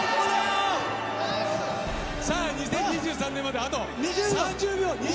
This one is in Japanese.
さあ、２０２３まであと２０秒！